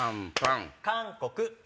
韓国。